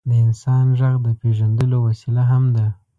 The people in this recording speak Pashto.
د انسان ږغ د پېژندلو وسیله هم ده.